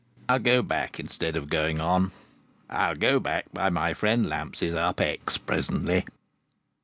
I'll go back, instead of going on. I'll go back by my friend Lamps's Up X presently."